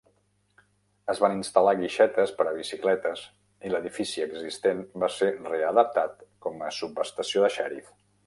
Es van instal·lar guixetes per a bicicletes i l'edifici existent va ser readaptat com a subestació de xèrif.